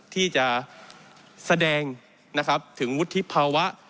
ที่จะแสดงถึงวุฒิภาวะ